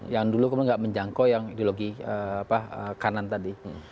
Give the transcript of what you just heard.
yang dulu kemudian tidak menjangkau yang ideologi kanan tadi